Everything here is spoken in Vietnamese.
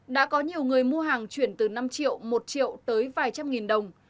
đã có nhiều người mua hàng chuyển từ năm triệu một triệu tới vài trăm nghìn đồng